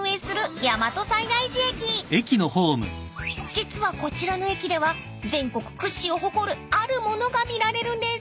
［実はこちらの駅では全国屈指を誇るある物が見られるんです］